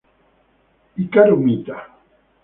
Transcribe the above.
Hikaru Mita